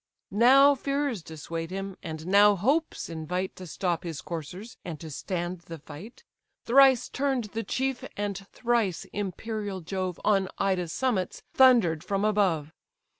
Now fears dissuade him, and now hopes invite. To stop his coursers, and to stand the fight; Thrice turn'd the chief, and thrice imperial Jove On Ida's summits thunder'd from above.